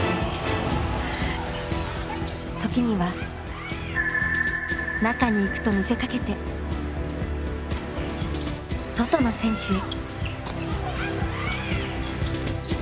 時には中に行くと見せかけて外の選手へ。